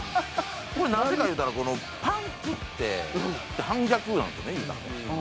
これ何かいうたらこのパンクって反逆なんですよねいうたら。